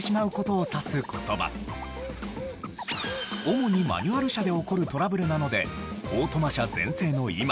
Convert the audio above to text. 主にマニュアル車で起こるトラブルなのでオートマ車全盛の今。